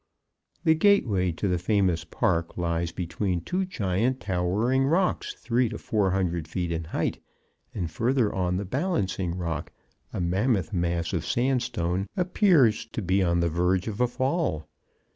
The "Gateway" to the famous park lies between two giant towering rocks three to four hundred feet in height, and further on the "Balancing Rock," a mammoth mass of sandstone, appears to be on the verge of a fall.